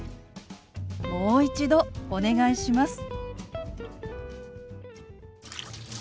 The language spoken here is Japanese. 「もう一度お願いします」。